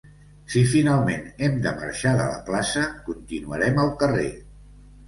Si finalment hem de marxar de la plaça, continuarem al carrer.